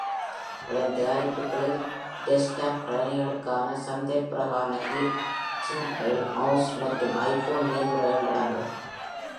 அதன் தயாரிப்புகளில் டெஸ்க்டாப் கணினிகளுக்கான சந்தைக்குப்பிறகான ஹீட் சிங்க்குகள், மௌஸ் மற்றும் ஐபோன் மேலுறைகள் அடங்கும்.